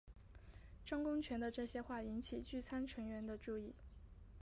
张公权的这些话引起聚餐成员的注意。